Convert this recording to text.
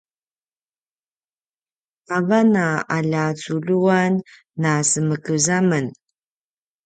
avan a alja culjuan na semekez a men